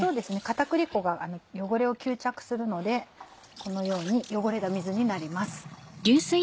片栗粉が汚れを吸着するのでこのように汚れた水になります。